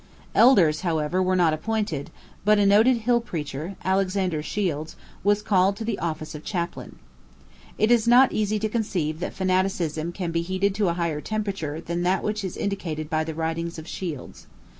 Elders, however, were not appointed: but a noted hill preacher, Alexander Shields, was called to the office of chaplain. It is not easy to conceive that fanaticism can be heated to a higher temperature than that which is indicated by the writings of Shields.